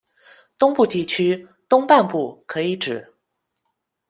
东部地区、东半部可以指：